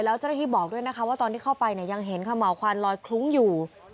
แล้วเจ้าหน้าที่บอกด้วยนะคะว่าตอนที่เข้าไปเนี่ยยังเห็นขม่าวควันลอยคลุ้งอยู่